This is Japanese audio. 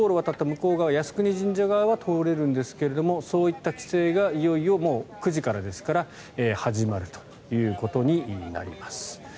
向こう側靖国神社側は通れるんですがそういった規制がいよいよ９時からですから始まるということになります。